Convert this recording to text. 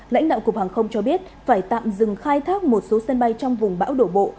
lãnh đạo cục hàng không cho biết phải tạm dừng khai thác một số sân bay trong vùng bão đổ bộ